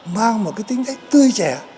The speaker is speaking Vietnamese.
mang một tính tính tươi trẻ